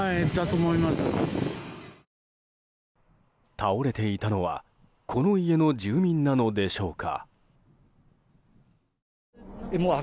倒れていたのはこの家の住民なのでしょうか。